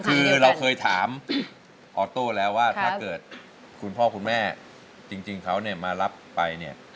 คือเราเคยถามออโต้แล้วว่าถ้าเกิดคุณพ่อคุณแม่จริงเขาเนี่ยมารับไปเนี่ย